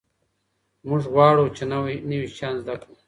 موږ غواړو چي نوي شيان زده کړو.